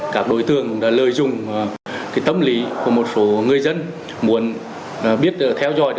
các đối tượng đã lợi dụng tâm lý của một số người dân muốn biết theo dõi